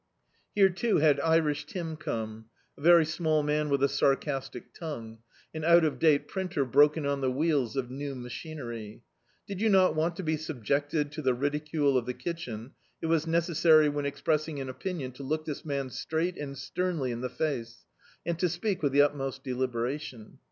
Here too had "Irish" Tim come; a very small man with a sarcastic tongue; an out of date printer broken on the wheels of new machinery. Did you not want to be subjected to the ridicule of the kitdien it was necessary when expressing an opinion, to look this man straight and sternly In the face, and to speak with the utmost deliberation.